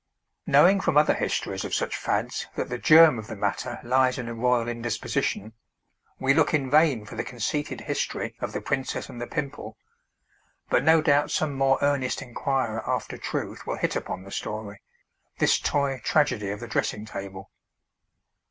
Knowing from other histories of such fads that the germ of the matter lies in a royal indisposition, we look in vain for the conceited history of the Princess and the Pimple, but no doubt some more earnest enquirer after truth will hit upon the story this toy tragedy of the dressing table.